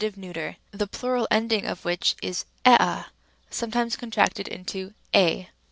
neut., the plural ending of which is ea, sometimes contracted into 7.